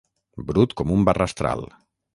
Brut com un barrastral.